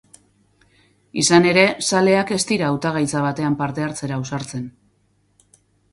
Izan ere, zaleak ez dira hautagaitza batean parte hartzera ausartzen.